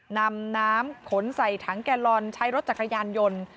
นำน้ำขนใส่ถังแกลลอนใช้รถจักรยานยนต์